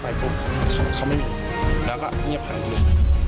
ไปปุ๊บเขาไม่มีแล้วก็เงียบฝ่าอยู่